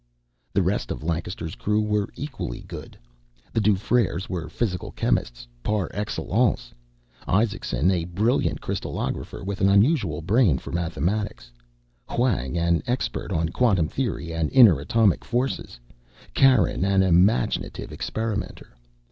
The rest of Lancaster's crew were equally good. The Dufreres were physical chemists par excellence, Isaacson a brilliant crystallographer with an unusual brain for mathematics, Hwang an expert on quantum theory and inter atomic forces, Karen an imaginative experimenter.